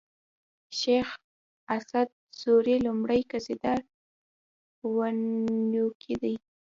شېخ اسعد سوري لومړی قصيده و يونکی دﺉ.